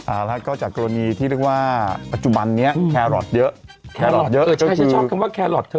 อ่าแล้วก็จากกรณีที่เรียกว่าปัจจุบันนี้แครอทเยอะแครอทเยอะเออเจ้าหน้าที่ชอบคำว่าแครอทเธอ